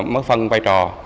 mới phân vai trò